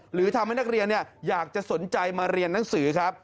หรือทำให้นักเรียนอยากจะสนใจมาเรียนหนังสือครับ